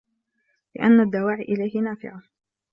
لِأَنَّ الدَّوَاعِيَ إلَيْهِ نَافِعَةٌ